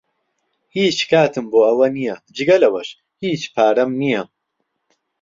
هیچ کاتم بۆ ئەوە نییە، جگە لەوەش، هیچ پارەم نییە.